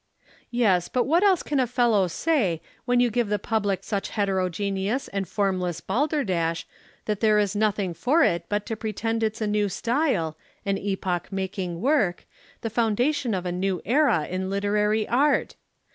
"Yes, but what else can a fellow say, when you give the public such heterogeneous and formless balderdash that there is nothing for it but to pretend it's a new style, an epoch making work, the foundation of a new era in literary art?